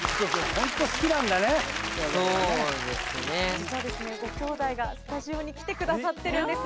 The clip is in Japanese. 実はですねごきょうだいがスタジオに来てくださってるんです。